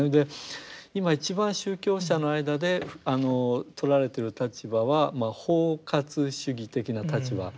今一番宗教者の間でとられてる立場は包括主義的な立場。